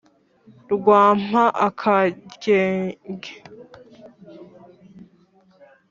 rwa mpa-akaryenge